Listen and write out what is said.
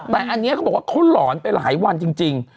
แต่อันนี้เขาบอกว่าเขาหลอนไปหลายวันจริง